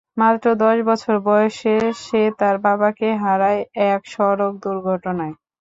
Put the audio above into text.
মাত্র দশ বছর বয়সে সে তার বাবাকে হারায় এক সড়ক দুর্ঘটনায়।